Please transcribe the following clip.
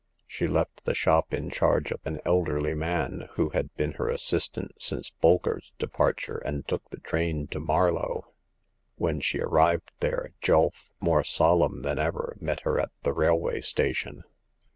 She left the shop in charge of an elderly man, who had been her assistant since Bolker's departure, and took the train to Marlow. When she arrived there, Julf, more solemn than ever, met her at the railway station.